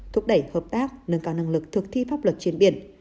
thúc đẩy hợp tác nâng cao năng lực thực thi pháp luật trên biển